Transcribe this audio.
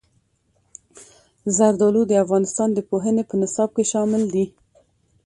زردالو د افغانستان د پوهنې په نصاب کې شامل دي.